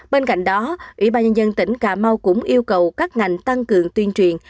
bên cạnh đó ủy ban nhân dân tỉnh cà mau cũng yêu cầu các ngành tăng cường tuyên truyền